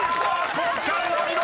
こうちゃんお見事！］